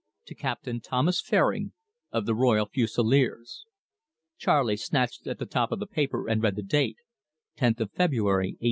to Captain Thomas Fairing, of the Royal Fusileers " Charley snatched at the top of the paper and read the date "Tenth of February, 18